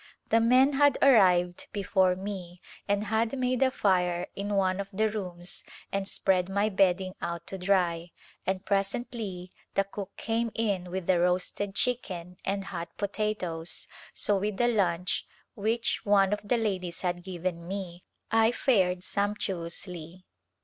The men had arrived before me and had made a fire in one of the rooms and spread mv bedding out to dry, and presently the cook came in with a roasted chicken and hot potatoes, so with the lunch which one of the ladies had given me I fared sumptuously.